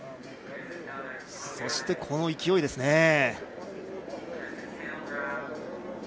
そして、この勢いですね。